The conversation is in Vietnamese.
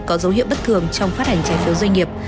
có dấu hiệu bất thường trong phát hành trái phiếu doanh nghiệp